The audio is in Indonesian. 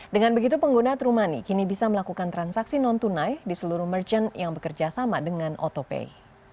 dengan begitu pengguna true money kini bisa melakukan transaksi non tunai di seluruh merchant yang bekerja sama dengan autopay